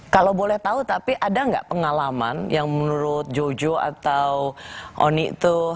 kalau boleh tahu tapi ada nggak pengalaman yang menurut jojo atau oni tuh